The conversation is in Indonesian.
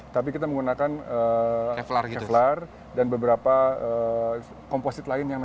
tapi kita menggunakan cheflar dan beberapa komposit lain yang ada